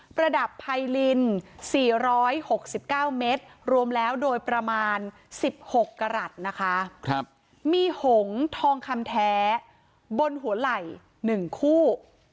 ประดับไพริน๔๖๙เมตรรวมแล้วโดยประมาณ๑๖กรัฐนะคะมีหงทองคำแท้บนหัวไหล่๑คู่